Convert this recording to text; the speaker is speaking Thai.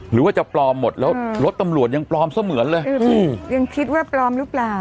หรือว่าจะปลอมหมดแล้วรถตำรวจยังปลอมเสมือนเลยยังคิดว่าปลอมหรือเปล่า